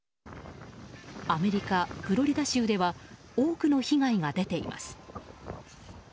アメリカ・フロリダ州では多くの被害が出ています。